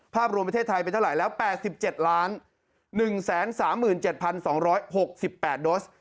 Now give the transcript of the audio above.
รวมประเทศไทยเป็นเท่าไหร่แล้ว๘๗๑๓๗๒๖๘โดส